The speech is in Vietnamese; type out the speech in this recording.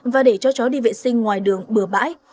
và để cho chó đi vệ sinh ngoài đường bừa bãi